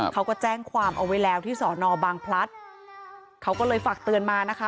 เขาก็แจ้งความเอาไว้แล้วที่สอนอบางพลัดเขาก็เลยฝากเตือนมานะคะ